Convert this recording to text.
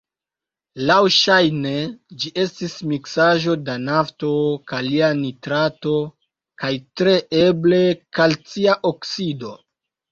Laŭŝajne ĝi estis miksaĵo da nafto, kalia nitrato kaj tre eble kalcia oksido.